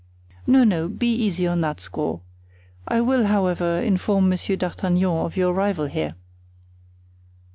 No, no, be easy on that score. I will, however, inform Monsieur d'Artagnan of your arrival here."